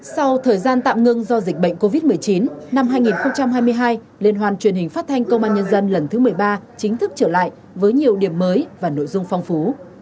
sau thời gian tạm ngưng do dịch bệnh covid một mươi chín năm hai nghìn hai mươi hai liên hoàn truyền hình phát thanh công an nhân dân lần thứ một mươi ba chính thức trở lại với nhiều điểm mới và nội dung phong phú